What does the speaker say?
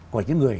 của những người